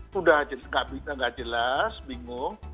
sudah jadi kabitnya nggak jelas bingung